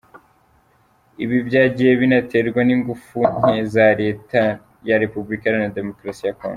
Ibi byagiye binaterwa n’ingufu nke za leta ya Repubulika Iharanira Demokarasi ya Congo.